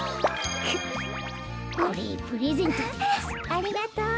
ありがとう。